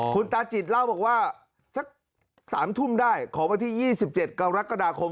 คุณตาจิตเล่าบอกว่าสัก๓ทุ่มได้ของวันที่๒๗กรกฎาคม